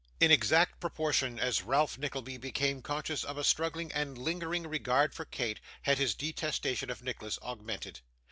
In exact proportion as Ralph Nickleby became conscious of a struggling and lingering regard for Kate, had his detestation of Nicholas augmented.